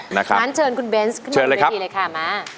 หมานเชิญคุณเบนส์ขึ้นมาทราบหนูหน่อยละครับมา